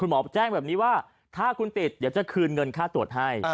หมอแจ้งแบบนี้ว่าถ้าคุณติดเดี๋ยวจะคืนเงินค่าตรวจให้